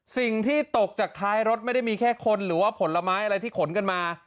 สิ่งที่ตกจากท้ายรถไม่ได้มีแค่คนหรือว่าผลไม้อะไรที่ขนกันมา